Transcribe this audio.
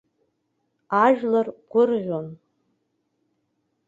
Ажәлар гәырӷьон.